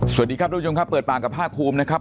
สวัสดีครับทุกผู้ชมครับเปิดปากกับภาคภูมินะครับ